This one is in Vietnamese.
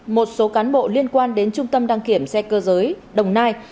một số cán bộ liên quan đến trung tâm đăng kiểm xe cơ giới đồng nai